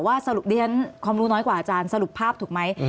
สรุปดิฉันความรู้น้อยกว่าอาจารย์สรุปภาพถูกไหม